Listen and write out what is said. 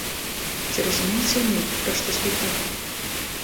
Ці разумеюць яны, пра што спектаклі?